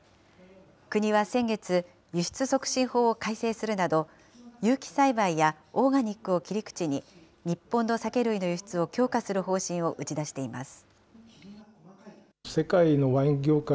国は先月、輸出促進法を改正するなど、有機栽培やオーガニックを切り口に、日本の酒類の輸出を強化する方針を打ち出しています。